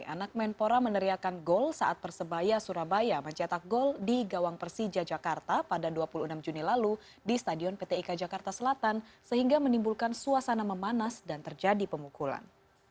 anak menpora meneriakan gol saat persebaya surabaya mencetak gol di gawang persija jakarta pada dua puluh enam juni lalu di stadion pt ika jakarta selatan sehingga menimbulkan suasana memanas dan terjadi pemukulan